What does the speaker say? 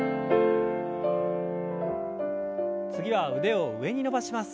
次は腕を上に伸ばします。